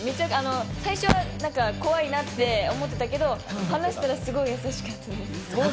最初怖いなって思ってたけど、話したらすごい優しかったです。